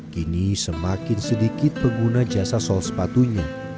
kini semakin sedikit pengguna jasa sol sepatunya